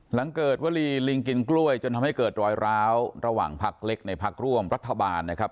หลังเกิดวลีลิงกินกล้วยจนทำให้เกิดรอยร้าวระหว่างพักเล็กในพักร่วมรัฐบาลนะครับ